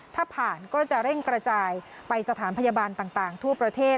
ถ้าผ่านก็จะเร่งกระจายไปสถานพยาบาลต่างทั่วประเทศ